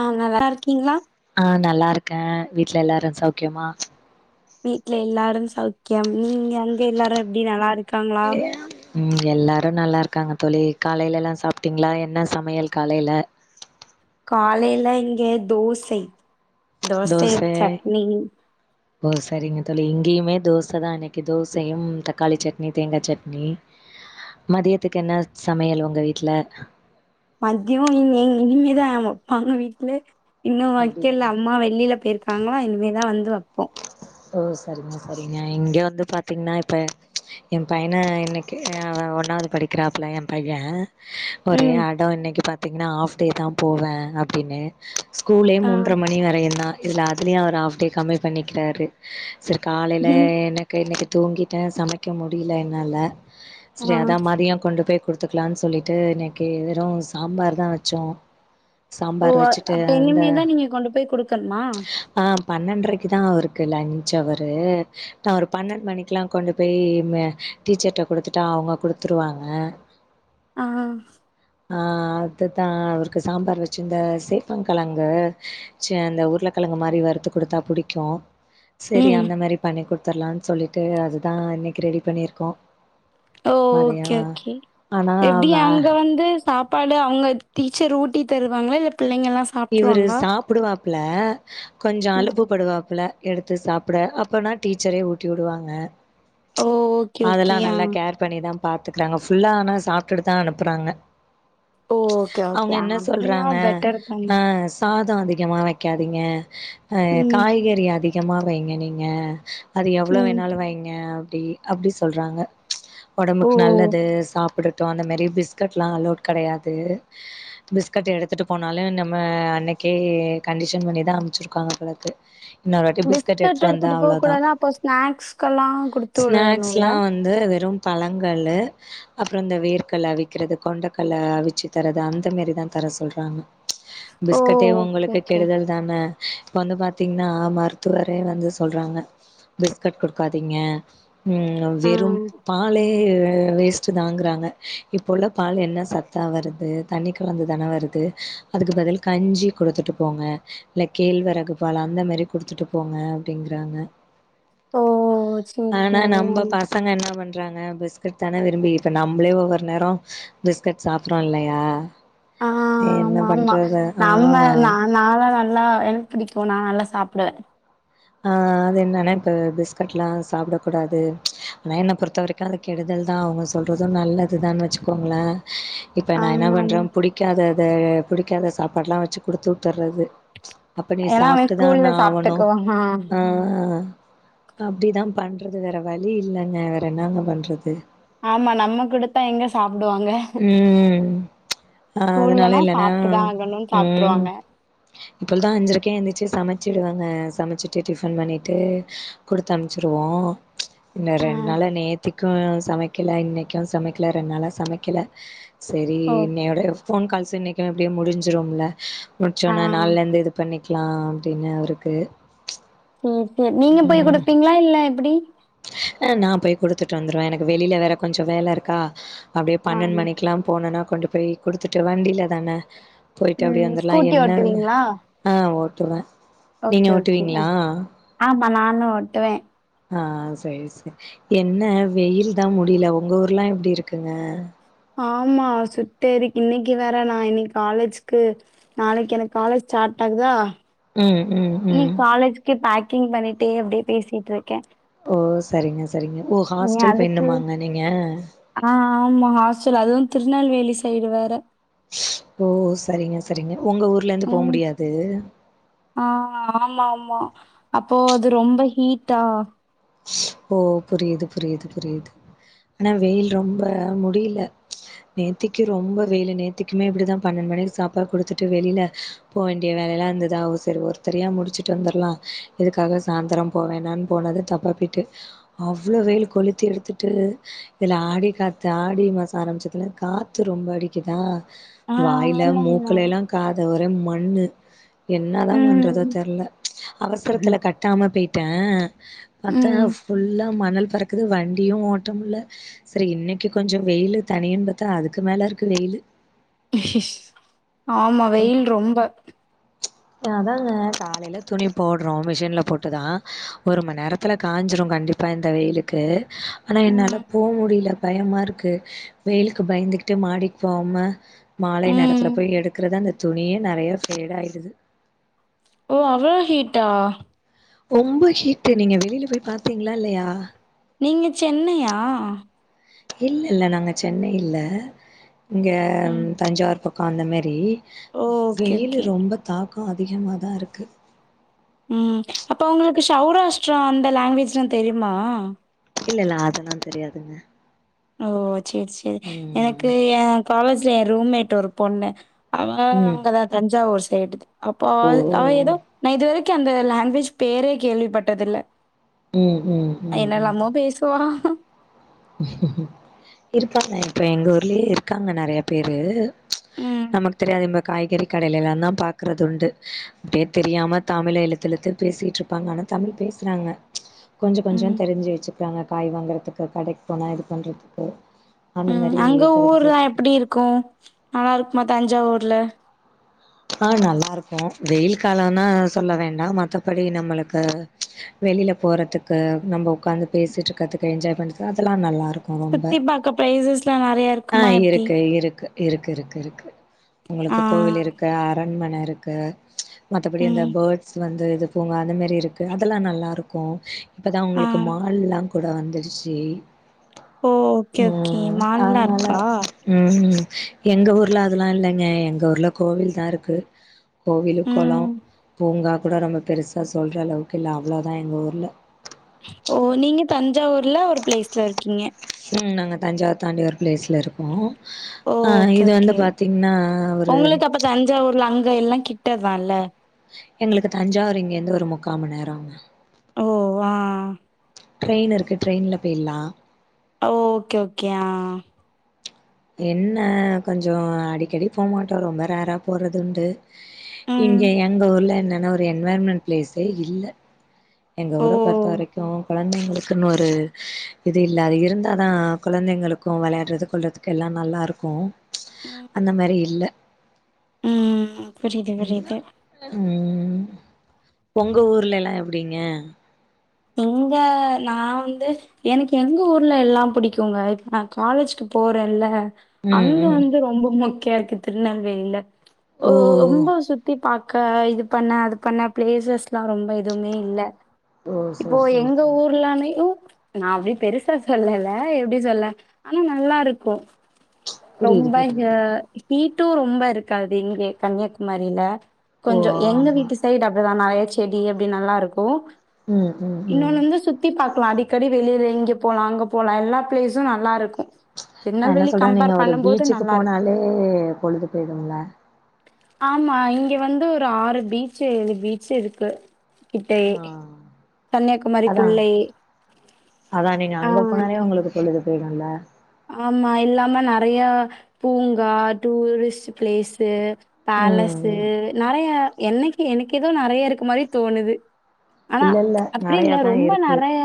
ஆ நல்லாருக்கீங்ளா ஆ நல்லாருக்கே வீட்ல எல்லாரு சௌக்கியமா வீட்ல எல்லாரும் சௌக்கியம் நீங்க அங்க எல்லாரு எப்டி நல்லாருக் [unintelligible] ம் எல்லாரு நல்லாருக்காங்க தோழி காலைலலா சாப்ட்டீங்ளா என்ன சமையல் காலைல காலைல இங்க தோசை தோசை, தோசெ சட்னி. ஓ சரிங்க தோழி இங்கயுமே தோச தா இன்னைக்கு தோசையும் தக்காளிச் சட்னி தேங்காச் சட்னி மதியத்துக்கு என்ன சமையல் ஒங்க வீட்ல மத்யோ இங்க இனிமேதா வெப்பாங்க வீட்ல இன்னு அப்டியா வெக்கல அம்மா வெளில போயிர்க் க்காங்க இனிமேதா வந்து வெப்போ ஓ சரிங்க சரிங்க இங்க வந்து பாத்தீங்னா இப்ப எம் பையன இன்னைக்கு அ ஒன்னாவது படிக்கிறாப்புல எம் பைய ஒரே ம். அடோ இன்னைக்கு பாத்திங்ன்னா ஹாஃப் டே தா போவே அப்டின்னு ஸ்கூலே ஆ. மூன்ற மணி வரையு தா இதுல அதுலயு அவர் ஆஃப்டே கம்மி பண்ணிக்கிறாரு சேர் காலைல எனக்கு இன்னைக்கு தூங்கிட்ட சமைக்க முடில என்னால ஆ. செரி அதா மதியோ கொண்டு போய் குடுத்துக்கலான் சொல்லிட்டு இன்னைக்கு வெரு சாம்பார் தா வச்சோ ஓ சாம்பார் வச்சுட்டு அப்ப அந்த இனிமேதா நீங்க கொண்டு போய் குடுக்கணுமா ஆ பன்னன்றைக் குதா அவருக்கு லஞ்ச் அவரு நா ஒரு பன்னெண்டு மணிக்குல்லா கொண்டு போய் மே டீச்சர்ட்ட குடுத்துட்டா அவுங்க குடுத்துருவாங்க ஆ அ அதுதா அவருக்கு சாம்பார் வச்சு இந்த சேப்பங்கழங்கு ச்சே அந்த உருளக்கெழங்கு மாரி வறுத்து கொடுத்தா புடிக்கு சேரி ம். அந்த மாரி பண்ணி குடுத்தர்லான் சொல்லிட்டு அதுதா இன்னைக்கு ரெடி பண்ணிர்க்கோ ஓ ஓகே ஓகே ஆனா எப்டி அவ அங்க வந்து சாப் பாடு அவுங்க டீச்சர் ஊட்டி தருவாங்களா இல்ல பிள்ளைங்கலாம் இவுரு சாப்ட்ருவாங்களா? சாப்புடுவாப்புல கொஞ்சோ ம். அலப்புப்படுவாப்புல எடுத்து சாப்பட அப்பர்னா டீச்சரே ஊட்டி உடுவாங்க ஓ ஓகே ஓகே அதெல்லா ஆ நல்லா கேர் பண்ணிதா பாத்துக்குறாங்க ஃபுல்லா ஆனா சாப்ட்டுட்டுதா அனுப்புறாங்க ஓ ஓகே ஓகே அவுங்க ஆ என்ன அப்டின்னா சொல்றாங்க பெட்டர் தானே அ சாதோ அதிகமா வெக்காதீங்க அ ம் காய்கறி அதி கமா வைங்க நீங்க அது எவ்ளோ ம் வேணாலு வைங்க அப்டி அப்டி சொல்றாங்க ஓ ஒடம்புக்கு நல்லது சாப்பட்றட்டு அந்த மாரி பிஸ்கட்ல்லா அலோட் கடையாது பிஸ்கட் எடுத்துட்டு போனாலு நம் ம அன்னைக்கே கண்டிஷன் பண்ணிதா அம்ச்சிருக்காங்க போலர்க்கு இன்னொரு வாட்டி பிஸ்கட் எடுத்துட்டு வந்த போ அவ்ளோதா கூடாதுனா அப்போ ஸ்நாக்ஸ்கெல்லா குடுத்து விடணுல ஸ்னாக்ஸ்லா வந் து வெறு பழங்கள்ளு அப்புறோ இந்த வேர்கல்ல அவிக்கிறது கொண்டக்கல்ல அவிச்சு தரது அந்த மாரிதா தர சொல்றாங்க ஓ பிஸ்கட்டே ஓகே உங்களுக்கு ஓகே கெடுதல் தான இப்ப வந்து பாத்தீங்கன்னா மருத்துவரே வந்து சொல்றாங்க பிஸ்கட் குடுக்காதீங்க ம் ஆ வெறும் பாலே வேஸ்ட்டு தாங்குறாங்க இப்போ உள்ள பால் என்ன சத்தா வருது தண்ணி கலந்து தான வரு து அதுக்கு பதில் கஞ்சி கொடுத்துட்டு போங்க இல்ல கேழ்வரகு பால் அந்த மாரி குடுத்துட்டு போங்க அப்டிங்கறாங்க ஓ சேரி ஆனா சேரி நம்ப ப பசங்க என்ன பண்றாங்க பிஸ்கட் தான விரும்பி இப்ப நம்பளே ஒவ்வொரு நேரோ பிஸ்கட் சாப்றோ இல்லையா ஆ ஆ, என்ன ஆமா ஆமா பண்றது ஆ நம்ம நா நாளா நல்லா எனக்கு பிடிக்கு நா நல்லா சாப்டுவ ஆ அது என்னன்னா இப்ப பிஸ்கட்லா சாப்டக் கூடாது ஆனா என்ன பொறுத்த வரைக்கு அது கெடுதல் தா அவுங்க சொல்றது நல்லதுதான் வச்சுக்கோங்கள இப்ப நா என்ன ஆமா ஆமா பண்ற புடிக்காதத புடிக்காத சாப்பாடுலா வச்சு குடுத்து உட்டுறது அப்ப நீ சாப்ட்டுதான ஆவணு ஆ ஆ அப்டி தா பண்றது வேற வழி இல்லங்க வேற என்னாங்க பண்றது ஆமா நம்ம குடுத்தா எங்க சாப்டுவாங்க ம் ஆ அதனால ஸ்கூல்லனா இல்லன்னா சாப்ட்டுதா ஆகணுன் சாப்ட்டுருவாங்க இப்போல்தா அஞ்சரைக்கே எந்திருச்சு சமைச்சிடுவங்க சமைச்சிட்டு டிஃபன் பண்ணிட்டு குடுத்து அம்ச்சுருவோ இன்னு ஆ ரெண் நாளா நேத்திக்கு சமைக்கல இன்னைக்கு சமைக்கல ரெண் நாளா சமைக் கல செரி ஓ இன்னையோட போன் கால்ஸ்ஸு இன்னைக்குன எப்படியே முடிஞ்சிரும்ல ஆ முடிச்சொன்னே நாள்ல இருந்து இது பண்ணிக்கலா அப்டின்னு அவருக்கு சேர் சேர் நீங்க போய் குடுப்பீங்களா இல்ல எப்படி அ நா போய் குடுத்துட்டு வந்துருவ எனக்கு வெளில வேற கொஞ்சோ வேல இருக்கா அப்டியே ஆ பன்னென் மணிக்குலா போனனா கொண்டு போய் குடுத்துட்டு வண்டீல தான போய்ட்டு அப்படியே ம் வந்தர்லா ஸ்கூட்டி என்ன ஓட்டுவீங்களா ஆ ஓட்டுவ நீங்க ஓட்டுவீங்களா ஆம்மா நானு ஓட்டுவ ஆ சேரி சேரி என்ன வெயில் தா முடில உங்க ஊர்லா எப்டி இருக்குங்க ஆமா சுட்டு எரிக் இன்னிக்கு வேற நா இன்னிக்கு காலேஜுக்கு நாளைக்கு எனக்கு காலேஜ் ஸ்டாட் ஆகுதா ம் ம் நீ ம். காலேஜ்கே பேக்கிங் பண்ணிட்டே அப்டியே பேசிட்ருக்கே ஓ சரிங்க சரிங்க ஓ ஹாஸ்ட்டல் அதுக்கு போயினும்மாங்க நீங்க ஆ ஆமா ஹாஸ்ட்டல் அதுவு திருநெல்வேலி சைடு வேற ஓ சரிங்க சரிங்க உங்க ஊர்ல இருந்து போ ம் முடியாது ஆ ஆமா ஆமா அப்போ அது ரொம்ப ஹீட்டா ஓ புரிது புரிது புரிது அனா வெயில் ரொம்ப முடில நேத்திக்கு ரொம்ப வெயிலு நேத்திக்குமே இப்படிதா பன்னெண்டு மணிக்கு சாப்பாடு குடுத்துட்டு வெளில போ வேண்டிய வேலைலா இருந்ததா ஓ செர் ஒருத்தர் யா முடிச்சுட்டு வந்துர்லா இதுக்காக சாந்தரோ போ வேணான்னு போனது தப் பாப்பிட்டு அவ்ளோ வெயில் கொளுத்தி எடுத்துட்டு இதுல ஆடி காத்து ஆடி மாசோ ஆரம்பிச்சதுல காத்து ரொம்ப அடிக்குதா ஆ வாயில ஆமா ஆமா மூக்குல எல்லா காத ஒரே மண்ணு என்னதா பண்றதோ ம் தெரில அவசரத்துல கட்டாம பேயிட்ட பாத்தா ம் ஃபுல்லா மணல் பறக்குது வண்டியு ஓட்டமுள்ள செரி இன்னைக்கு கொஞசோ வெயிலு தனியுன் பாத்தா அதுக்கு மேல இருக்கு வெயிலு ஆமா வெயில் ரொம்ப அது அதாங்க காலையில துணி போடுறோ மிஷின்ல போட்டுதா ஒரு மண்நேரோ பத்துல காஞ்சிரு கண்டிப்பா இந்த வெயிலுக்கு அனா என்னால ம் போ முடில பயமா இருக்கு வெயிலுக்கு பயந்துகிட்டு மாடிக்கு போவாம மாலை ம் நேரத்துல போய் எடுக்கறத அந்த துணியே நறைய ஃபேட் ஆயிடுது ஓ அவ்ளோ ஹீட்டா ரொம்ப ஹீட்டு் நீங்க வெளில போய் பாத்தீங்களா இல்லையா நீங்க சென்னையா இல்ல இல்ல நாங்க சென்னை இல்ல இங்க ம் தஞ்சாவூர் பக் கோ அந்த மாரி ஓ ஓகே வெயிலு ஓகே ரொம்ப தாக்கோ அதிகமாதா இருக்கு ம் அப்ப உங்களுக்கு சௌராஷ்டா அந்த லாங்குவேஜ்லா தெரிமா இல்ல இல்ல அதல்லா தெரியாதுங்க ஓ சேரி சேரி எனக்கு ம். எ காலேஜ்ல எ ரூம்மேட் ஒரு பொண்ணு அவ ம். அங்கதா தஞ்சாவூர் சைடு அப்ப அவாது அவ ஓ! எதோ நா இதுவரை க்கு அந்த லாங்குவேஜ் பேரே கேள்விப்பட்டது இல்ல ம் ம் ம் என்னல்லாமோ பேசு தோரா இருக்காங்க அப்பறோ எங்க ஊர்லயே இருக்காங்க நறைய பேரு ம் நமக்கு தெரியாது இம்ப காய்கறி கடைலெல்லா தா பாக்கறது உண்டு அப்படியே தெரியாம தமிழ இழுத்து இழுத்து பேசிட்டு இரு ப்பாங்க ஆனா தமிழ் பேசுறாங்க கொஞ்ச கொஞ்ச ம் தெரிஞ்சு வச்சுப்பங்க காய் வாங்கறதுக்கு கடைக்கு போனா இது பண்றதுக்கு அந்த மாரி தெரிஞ்சு வச்சுக்கிறாங்க கு நால்லா இருக்குமா தஞ்சாவூர்ல ஆ நல்லா இருக்கு வெயில் காலனா சொல்ல வேணா மத்தபடி நம்மளுக்கு வெளில போறதுக்கு நம்ம உக்காந்து பேசிட்டு இருக்கிறதுக்கு என்ஜாய் பண்றது அதெல்லா நல்லா இருக் ரொம்ப சுத்தி பாக்க பிளேசஸ்லா நெறைய ஆ இருக்குமா எப்டி இருக்கு இருக்கு இருக்கு இருக்கு இருக்கு உங்களுக்கு ஆ கோவில் இருக் அரண்மன இருக்கு மத்தபடி அந்த ம் பேட் ஸ் வந்து இது பூங்கா அந்தமாரி இருக்கு அதெல்லா நல்லாயிருக்கு இப்போ தா ஆ உங்களுக்கு மால்லா கூட வந்துருச்சு ஓ ஓகே ஓகே ம் மால்லா அதனால இருக்கா ம் எங்க ஊர்ல அதல்லா இல்லங்க எங்க ஊர்ல கோவில் தா இருக்கு கோவிலு கொள ம் பூங்கா கூட ரொம்ப பெருசா சொல்ற அளவுக்கு இல்ல அவ்ளோதா எங்க ஊர்ல ஓ நீங்க தஞ்சாவூர்ல ஒரு பிளேஸ்ல இருக்கீங்க ம் நாங்க தஞ்சாவூர் தாண்டி ஒரு பிளேஸ்ல இருக்கோ ஓ ஆ ஓகே இது வந்து ஓகே பாத்தீங்ன்னா ஒரு உங்களுக்கு அப்ப தஞ்சாவூர்ல அங்க எல்லா கிட்டதால்ல எங்களுக்கு தஞ்சாவூர் இங்க இருந்து ஒரு முக்காம மண் நேரங்க ஓ ஆ ட்ரெயின் இருக்கு ட்ரெயின்ல போயிலா ஓ ஓகே ஓகே ஆ என்ன கொஞ்சோ அடிக்கடி போமாட்டோ ரொம்ப ரேரா போறது உண்டு ம் இங்க எங்க ஊர்ல என்னன்னா ஒரு என்வேர்மென்ட் பிளேஸே இல்ல எங்க ஓ ஊர பொறுத்த வரைக்கு கொழந்தைங்களுக் குன் ஒரு இது இல்ல அது இருந்தா தா குழந்தைங்களுக்கு விளையாடுறது கொல்றது கெல்லா நல்லா இருக்கு ம் அந்த மாறி இல்ல ம் புரியுது புரியுது ம் ஒங்க ஊர்ல எல்லா எப் ப்டிங்க இங்க நா வந்து எனக்கு எங்க ஊர்ல எல்லா புடிக்குங்க இப்ப நா காலேஜ்கு போறேல ம் அங்க ம் வந்து ரொம்ப மொக்கையா இருக்கு திருநெல்வேலியில ஓ ரொம்ப சுத்தி பாக் க இது பண்ண அது பண்ண பிளேசஸ்லா ரொம்ப எதுவுமே இல்ல ஓ இப்போ சேரி சேரி எங்க சேரி ஊர்லனயு நா அப்டி பெருசா சொல்லல எப்டி சொல்ல ஆனா நல்லா இருக்கு புரியுது ரொம்ப அ புரியுது ஹீட்டு ரொம்ப இருக்காது இங்க கன்னியாகுமாரில ஓ கொஞ்ச எங்க ஆமா வீட்டு சைடு அப்டிதா நெறைய செடி அப்டினு நல்லா இருக்கு ம் ம் ம் இன்னொன்னு வந்து சுத்தி பாக்கலா அடிக்கடி வெளியில இங்க போலா அங்க போலா எல்லா பிளேஸு நல்லா இருக்கு நா என்ன சொல்ற நீங்க ஒரு பீச்சுக்கு இருக்கு. போனாலே பொழுது போயிடுல ஆமா இங்க வந்து ஒரு ஆறு பீச்சு இது பீச்சு இருக்கு ஆ கன்னியாகுமரிகுள்ளயே அதா நீங்க அங்க போனாலே உங்களுக்கு பொழுது போயிடுல ஆமா இல்லாம நறைய பூங்கா ட்டுரிஸ்ட் பிளேசு பேலஸ்சு ம் நறைய என்னக்கி எனக் ஏதோ நெறைய இருக்க மாரி தோணுது ஆனா இல்ல இல்ல அப்டி நெறைய இல்ல தான் ரொம்ப இருக்கு நறைய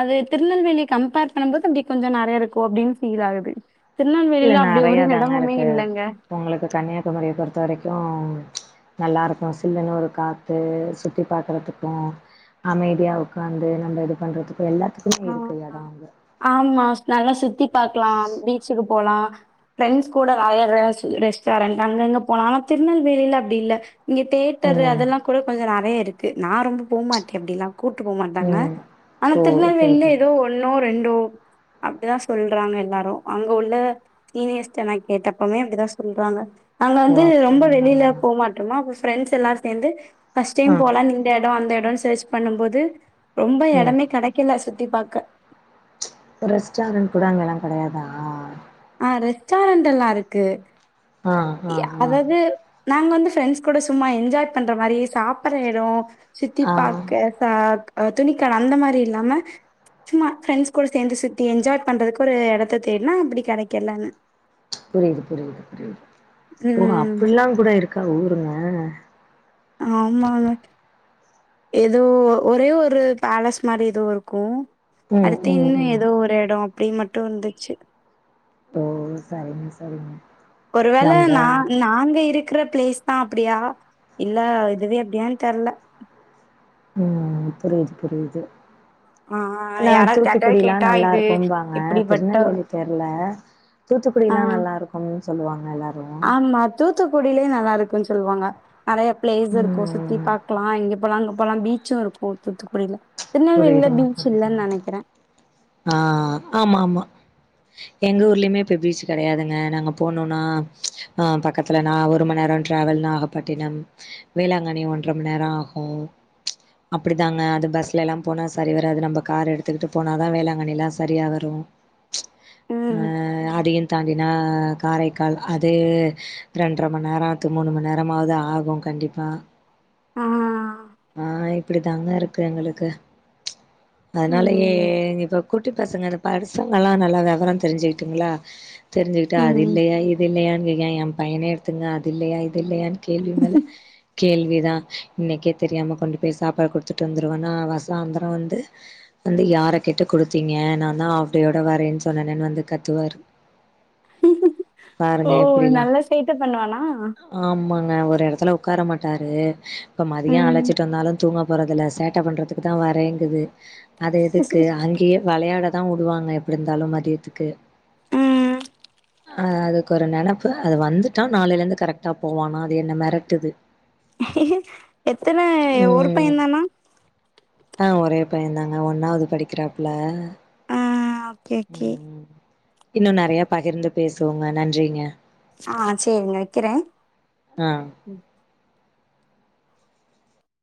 அது திருநெல்வேலி கம்பேர் பண்ணும்போது அப்டி கொஞ்சோ நறைய இருக்கோ அப்டின் ஃபீல் ஆகுது இல்ல திருநெல்வேலில அப்டி நெறைய ஒரு தாங்க எடமுமே இருக்கு இல்லங்க உங்களுக்கு கன்னியாகுமாரிய பொறுத்த வரைக்கும் நல்லா இருக்கும் சில்லுன்னு ஒரு காத்து சுத்தி பாக்கறதுக்கும் அமைதியா உட்காந்து நம்ப இது பண்றதுக்கு எல்லாத்துக்குமே இருக்கு ஆஹ் எடோ அங்க ஆமா நல்லா சுத்தி பாக்கலா பீச்சுக்கு போலா ஃப்ரெண்ட்ஸ் கூட ராயல் ஹவ்ஸ் ரெஸ்டாரன்ட் அங்க இங்க போனாலும் ஆனா திருநெல்வேலில அப்டி இல்ல இங்க தேட்டரு ம் அதெல்லா கூட கொஞ்சோ நறைய இருக்கு நா ரொம்ப போமாட்டே அப்டிலா கூட்டு போமாட்டாங்க ம் ஆனா ஓ ஓகே திருநெல்வேலில ஓகே ஏதோ ஒன்னோ ரெண்டோ அப்டிதா சொல்றாங்க எல்லாரு அங்க உள்ள சீனியர்ஸ்ட்ட நா கேட்டப்பமே அப்டிதா சொல்றாங்க அங்க ஓ வந்து ரொம்ப வெளில அப்டிங்களா போமாட்டமா அப்ப ஃப்ரெண்ட்ஸ் எல்லா சேந்து பஸ்ட் டைம் ஆ போலான்னு இந்த எடோ அந்த எடோன்னு சேர்ச் பண்ணும் போது ரொம்ப ம் எடமே க்கல சுத்தி பாக்க ரெஸ்டாரண்ட் கூட அங்கெல்லா கெடையாதா ஆ ரெஸ்டாரண்ட்டெல்லா இருக்கு ஆ அதாவது நாங்க வந்து ஃப்ரெண்ட்ஸ் கூட சும்மா என்ஜாய் பண்ற மாரி சாப்புற எடோ சுத்தி ஆ பாக்க க துணிக்கட அந்த மாரி இல்லாம சும்மா ப்ஃரெண்ட்ஸ் கூட சேந்து சுத்தி என்ஜாய் பண்றதுக்கு ஒரு எடத்த தேட்னா அப்டி கெடைக்கல ஆனா புரியுது புரியுது புரியுது ஓ ம். அப்புல்லாம் கூட இருக்கா ஊருங்க ஆமாங்க ஏதோ ஒரே ஒரு பேலஸ் மாரி ஏதோ இருக்கும் ம் அடுத்து ம் இன்னும் ம் ஏதோ ஒரு எடோ அப்டின் மட்டும் வந்துச்சி ஓ சரிங்க சரிங்க ஒருவேள நம்ப நா நாங்க இருக்குற பிளேஸ் தா அப்டியா இல்ல இதுவே அப்டியான்னு தெர்ல ம் புரியுது புரியுது ஆ ஆனா யாராவது யார்ட்டயாவது தூத்துக்குடில்லா கேட்டா இது நல்லாருக்கும்பாங்க இப்படிப்பட்ட திருநெல்வேலி தெர்ல ஆ தூத்துக்குடில்லா நல்லா இருக்குன் சொல்லுவாங்க எல்லாரும் ஆமா தூத்துக்குடியிலே நல்லாருக்கும் சொல்லுவாங்க நறைய பிளேஸ் இருக்கும் சுத்தி ம் பாக்கலா இங்க போலா அங்க போலா பீச்சும் இருக்கும் தூத்துக்குடில திருநெல்வேலில புரியுதுங்க பீச் இல்லன் புரியுதுங்க நெனைக்கிறே ஆ ஆமா ஆமா எங்க ஊர்லயுமே இப்ப பீச்சு கெடையாதுங்க நாங்க போனோனா ஆ பட் பக்கத்துலனா ஒரு மண் நேரோ ட்ராவல் நாகப்பட்டினம் வேளாங்கண்ணி ஒன்ற மண் நேரோ ஆகும் அப்படித்தாங்க அது பஸ் லெல்லாம் போனா சரி வராது நம்ப கார் எடுத்துக்கிட்டு போனாதா வேளாங்கண்ணிலா சரியா வரும் ஆ ம். அதையு தாண்டினா காரைக்கால் அது ரெண்ர மண் நேரம் மூண் மண் நேரமாவது ஆகும் கண்டிப்பா ஆ ஆ இப்படிதாங்க இருக்கு எங்களுக்கு அதனாலயே ம். ஏதோ குட்டி பசங்க இது படிச்சவங்கள்லா நல்லா வெவரம் தெரிஞ்சுக்கிட்டுங்ளா தெரிஞ்சுக்கிட்டு அது ம். இல்லையா இது இல்லையா ஏ பையனே எடுத்துங்க அது இல்லையா இது இல்லையான்னு கேள்வி மேல கேள்விதா இன்னைக்கே தெரியாம கொண்டு போய் சாப்பாடு குடுத்துட்டு வந்துருவன்னா சாந்திரம் வந்து வந்து, யார கேட்டு குடுத்தீங்க நாந்தா ஆஃப்டேயோட வரேன்னு சொன்னேனேன்னு வந்து கத்துவாரு. ஓ! பாருங்க எப்டிலாம் நல்ல சேட்ட பண்ணுவானா? ஆமாங்க. ஒரு எடத்துல ஒக்கார மாட்டாரு. இப்போ மதியோ ம். அழச்சிட்டு வந்தாலு தூங்க போறதில்ல. சேட் ட்ட பண்றதுக்கு தா வரேங்குது. அது எதுக்கு அங்க கேம் விளையாட தா விடுவாங்க எப்டி இருந்தாலு மதியத்துக்கு உம் ஆ, அதுக்கு ஒரு நெனப்பு அது வந்துட்டா நாளைல இருந்து கரெக்டா போவானா. அது என்ன மெரட்டு்து எத்தன ஒரு பையே ம். தானா? ஆ ஒரே பையன் தாங்க. ஒன்னாவது படிக்கிறாப்புல. ஆ ஓகே ஓகே இன்னும நெறைய பகிர்ந்து பேசுவோங்க, நன்றிங்க. ஆ சேரிங்க வெக்கிறேன். அ